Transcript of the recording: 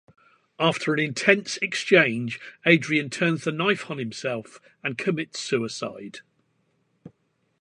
After an intense exchange, Adrian turns the knife on himself and commits suicide.